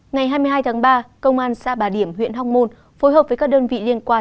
ngày hai mươi hai tháng ba công an xã bà điểm huyện hóc môn phối hợp với các đơn vị liên quan